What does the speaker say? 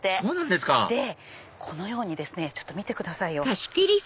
そうなんですかでこのようにですねちょっと見てくださいよ。